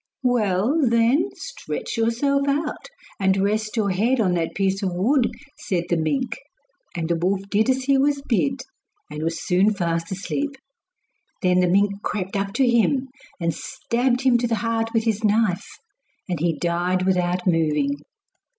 'Well, then, stretch yourself out, and rest your head on that piece of wood,' said the mink. And the wolf did as he was bid, and was soon fast asleep. Then the mink crept up to him and stabbed him to the heart with his knife, and he died without moving.